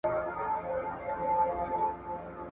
بېنوا لیکي چي کردار ئې لکه لمر څرګند دئ.